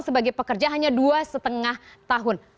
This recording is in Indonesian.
sebagai pekerja hanya dua lima tahun